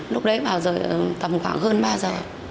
lúc đấy vào giờ tầm khoảng hơn ba giờ